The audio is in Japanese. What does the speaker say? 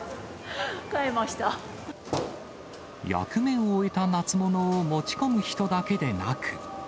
役目を終えた夏物を持ち込む人だけでなく。